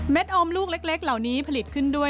ออมลูกเล็กเหล่านี้ผลิตขึ้นด้วย